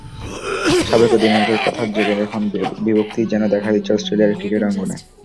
সাবেক অধিনায়কের কথার জেরে এখন বিভক্তিই যেন দেখা দিচ্ছে অস্ট্রেলিয়ার ক্রিকেট অঙ্গনে।